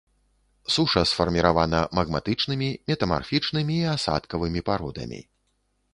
Суша сфарміравана магматычнымі, метамарфічнымі і асадкавымі пародамі.